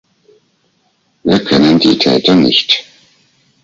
Wir kennen die Täter nicht.